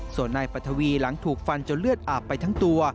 ส่วนนายปัทวีหลังถูกฟันจนเลือดอาบไปทั้งตัว